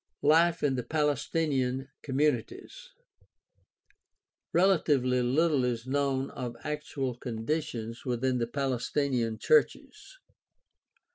Life in the Palestinian communities. — Relatively little is known of actual conditions within the Palestinian churches.